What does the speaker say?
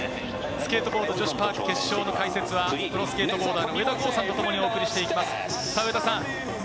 スケートボード女子パーク決勝の解説はプロスケートボーダーの上田豪さんとともにお送りします。